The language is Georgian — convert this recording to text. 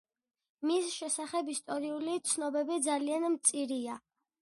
მის შესახებ ისტორიული ცნობები ძალიან მწირია.